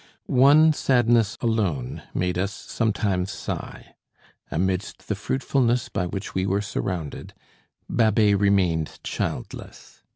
One sadness alone made us sometimes sigh. Amidst the fruitfulness by which we were surrounded, Babet remained childless.